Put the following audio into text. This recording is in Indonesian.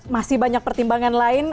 masih banyak pertimbangan lain